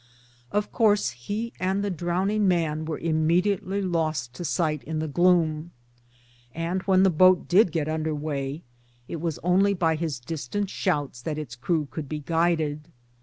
Of course he and the drowning man were immediately lost to sight in the gloom, and when the boat did get under weigh it was only, by his distant shouts that its crew could be guided.